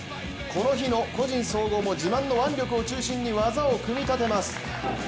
この日の個人総合も自慢の腕力を中心に技を組み立てます。